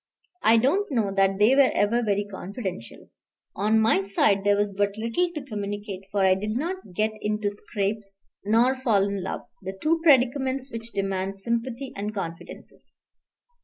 I don't know that they were ever very confidential. On my side there was but little to communicate, for I did not get into scrapes nor fall in love, the two predicaments which demand sympathy and confidences.